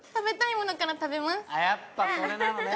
やっぱそれなのね。